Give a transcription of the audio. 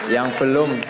yang belum tahan